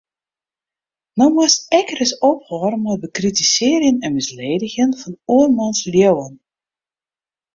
No moatst ek ris ophâlde mei it bekritisearjen en misledigjen fan oarmans leauwen.